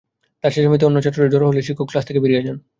তার চেঁচামেচিতে অন্য ছাত্রীরা জড়ো হলে শিক্ষক ক্লাস থেকে বেরিয়ে যান।